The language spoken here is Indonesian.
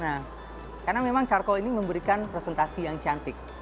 nah karena memang carkol ini memberikan presentasi yang cantik